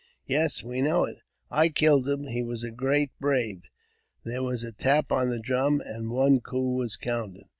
*' Yes, we know it." *' I killed him ; he was a great brave." There was a tap on the drum, and one coo was counted.